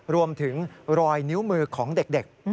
รวมถึงรอยนิ้วมือของเด็ก